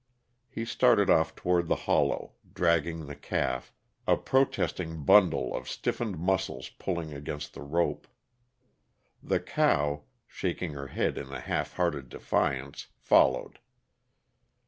He started off toward the hollow, dragging the calf, a protesting bundle of stiffened muscles pulling against the rope. The cow, shaking her head in a halfhearted defiance, followed.